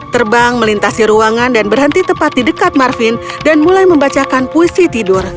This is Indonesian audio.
terbang melintasi ruangan dan berhenti tepat di dekat marvin dan mulai membacakan puisi tidur